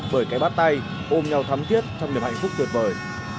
bởi cái bắt tay ôm nhau thắm thiết trong niềm hạnh phúc tuyệt vời